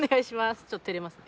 ちょっと照れますね。